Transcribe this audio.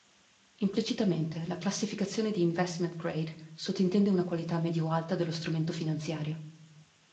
Implicitamente, la classificazione di "investment grade" sottintende una qualità medio-alta dello strumento finanziario.